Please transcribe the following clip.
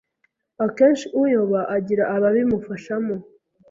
akenshi uyoba agira ababimufashamo,